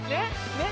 ねっ！